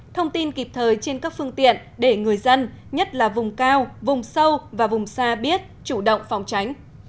thông tin kịp thời trên các phương tiện để người dân nhất là vùng cao vùng sâu và vùng xa biết chủ động phòng tránh